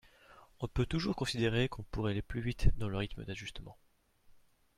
On peut toujours considérer qu’on pourrait aller plus vite dans le rythme d’ajustement.